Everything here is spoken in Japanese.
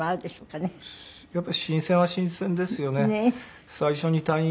やっぱり新鮮は新鮮ですよね。